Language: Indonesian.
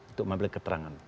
untuk membeli keterangan